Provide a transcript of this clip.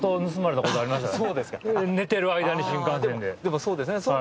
でもそうですね。